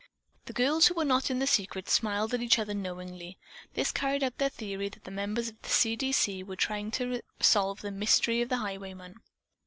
The girls, who were not in the secret, smiled at each other knowingly. This carried out their theory that the members of the "C. D. C." were trying to solve the mystery of the highwayman.